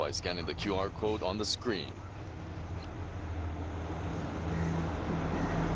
ＱＲコードからご覧いただけます。